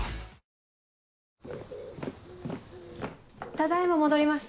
ただ今戻りました。